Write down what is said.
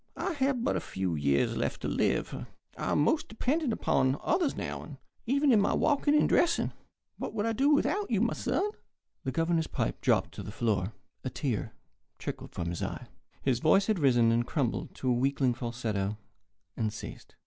I have but a few years left to live. I am almost dependent upon others now, even in walking and dressing. What would I do without you, my son?" The Governor's pipe dropped to the floor. A tear trickled from his eye. His voice had risen, and crumbled to a weakling falsetto, and ceased.